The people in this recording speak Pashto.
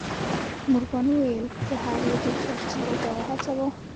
مورګان وویل که هغه دې خرڅلاو ته وهڅاوه